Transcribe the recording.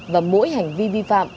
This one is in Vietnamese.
và mỗi hành vi vi phạm